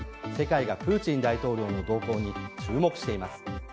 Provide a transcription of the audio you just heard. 世界がプーチン大統領の動向に注目しています。